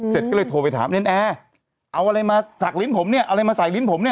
เสร็จก็เลยโทรไปถามเนรนแอร์เอาอะไรมาสักลิ้นผมเนี่ยอะไรมาใส่ลิ้นผมเนี่ย